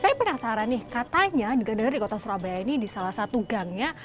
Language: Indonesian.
saya penasaran nih katanya di kota surabaya ini di salah satu gangnya